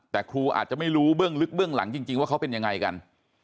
แต่ครูอาจจะไม่รู้เบื้องลึกเบื้องหลังจริงว่าเขาเป็นยังไงกัน